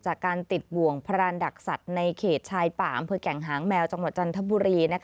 จากการติดบ่วงพรานดักสัตว์ในเขตชายป่าอำเภอแก่งหางแมวจังหวัดจันทบุรี